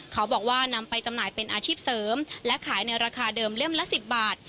เขาบอกว่านำไปจำหน่ายเป็นอาชีพเสริมและขายในราคาเดิมเล่มละ๑๐บาท